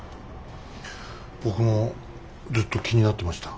僕もずっと気になってました。